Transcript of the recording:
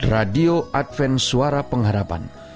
radio advent suara pengharapan